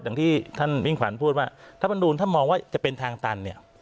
อย่างที่ท่านมิ่งขวัญพูดว่าถ้ามันดูนถ้ามองว่าจะเป็นทางตันเนี่ย